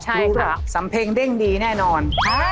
ใช่ค่ะสำเพ็งเด้งดีแน่นอน